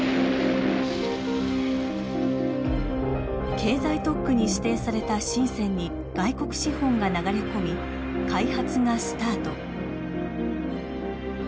経済特区に指定された深に外国資本が流れ込み開発がスタート。